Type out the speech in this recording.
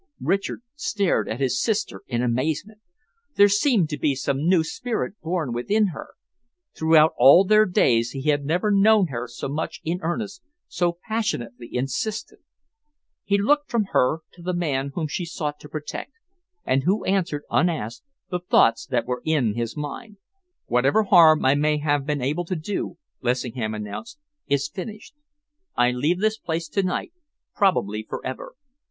Richard stared at his sister in amazement. There seemed to be some new spirit born within her. Throughout all their days he had never known her so much in earnest, so passionately insistent. He looked from her to the man whom she sought to protect, and who answered, unasked, the thoughts that were in his mind. "Whatever harm I may have been able to do," Lessingham announced, "is finished. I leave this place to night, probably for ever.